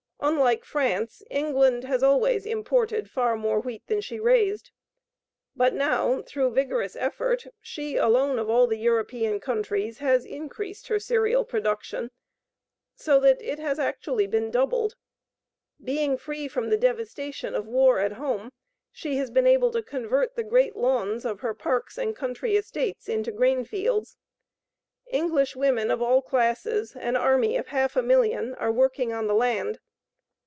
Unlike France, England has always imported far more wheat than she raised. But now through vigorous effort she alone of all the European countries has increased her cereal production so that it has actually been doubled. Being free from the devastation of war at home, she has been able to convert the great lawns of her parks and country estates into grain fields. English women of all classes, an army of half a million, are working on the land.